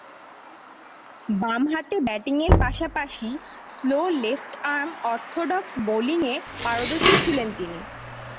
বামহাতে ব্যাটিংয়ের পাশাপাশি স্লো লেফট-আর্ম অর্থোডক্স বোলিংয়ে পারদর্শী ছিলেন তিনি।